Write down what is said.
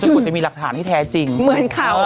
คุณจะมีหลักฐานที่แท้จริงเหมือนเขา